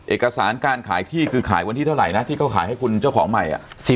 เอกสารการขายที่คือขายวันที่เท่าไหร่นะที่เขาขายให้คุณเจ้าของใหม่